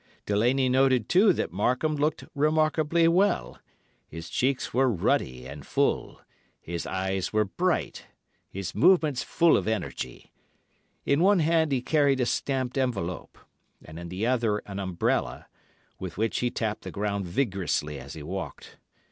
Delaney noted, too, that Markham looked remarkably well—his cheeks were ruddy and full, his eyes were bright, his movements full of energy. In one hand he carried a stamped envelope, and in the other an umbrella, with which he tapped the ground vigorously as he walked.